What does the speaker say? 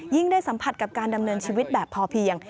ได้สัมผัสกับการดำเนินชีวิตแบบพอเพียง